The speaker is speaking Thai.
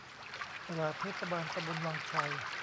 ตลาดเทศบาลตำบลวังชัย